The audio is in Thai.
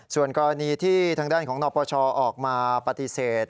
ส่วนกรณีที่ทางด้านของนปชออกมาปฏิเสธ